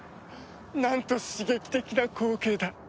なんと刺激的な光景だ！